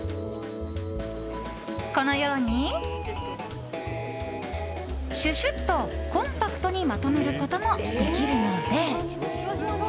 このようにシュシュッとコンパクトにまとめることもできるので。